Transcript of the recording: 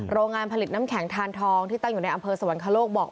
โรงงานผลิตน้ำแข็งทานทองที่ตั้งอยู่ในอำเภอสวรรคโลกบอก